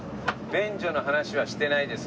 便所の話はしてないです